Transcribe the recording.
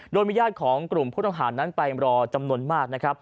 โดยมีญาติของกลุ่มผู้ต้องหานั้นไปรอจำนวนมากนะครับ